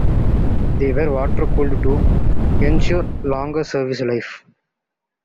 They were water cooled to ensure longer service life.